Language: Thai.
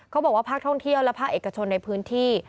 บอกว่าภาคท่องเที่ยวและภาคเอกชนในพื้นที่